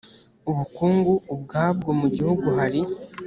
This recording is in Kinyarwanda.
ubukungu ubwabwo mu gihugu hari